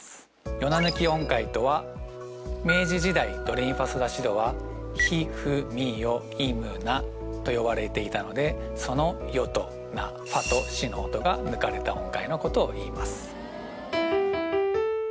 ヨナ抜き音階とは明治時代ドレミファソラシドはヒフミヨイムナと呼ばれていたのでそのヨとナファとシの音が抜かれた音階のことをいいます